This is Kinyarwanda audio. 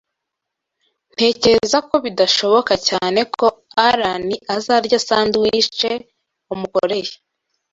Ntekereza ko bidashoboka cyane ko Alain azarya sandwich wamukoreye.